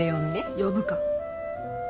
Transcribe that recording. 呼ぶか！